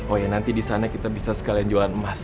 oh iya nanti disana kita bisa sekalian jualan emas